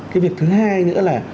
cái việc thứ hai nữa là